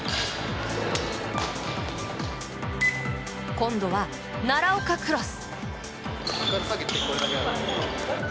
今度は奈良岡クロス。